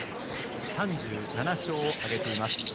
３７勝を挙げています。